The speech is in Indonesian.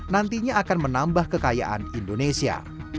nantinya akan menambah kekayaan indonesia